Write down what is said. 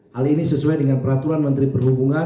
hal ini sesuai dengan peraturan menteri perhubungan